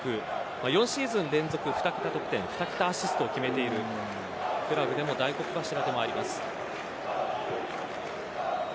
４シーズン連続２桁得点２桁アシストを決めているクラブでも大黒柱でもあります。